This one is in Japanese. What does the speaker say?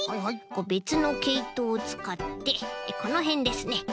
べつのけいとをつかってこのへんですね